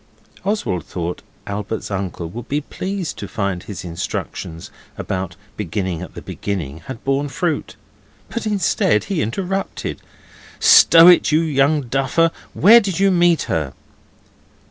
Oswald thought Albert's uncle would be pleased to find his instructions about beginning at the beginning had borne fruit, but instead he interrupted. 'Stow it, you young duffer! Where did you meet her?